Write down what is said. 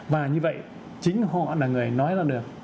và như vậy chính họ là người nói ra được